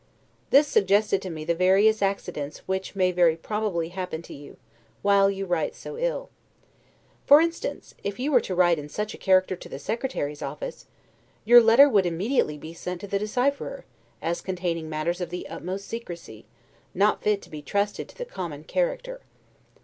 This suggested to me the various accidents which may very probably happen to you, while you write so ill. For instance, if you were to write in such a character to the Secretary's office, your letter would immediately be sent to the decipherer, as containing matters of the utmost secrecy, not fit to be trusted to the common character.